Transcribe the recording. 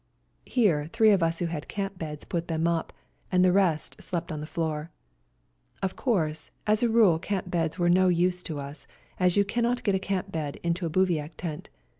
Here three of us who had camp beds put them up, and the rest slept on the floor. ELBASAN 151 Of course, as a rule camp beds were no use to us, as you cannot get a camp bed into a bivouac tent.